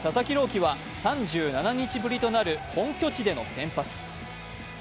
希は３７日ぶりとなる本拠地での先発。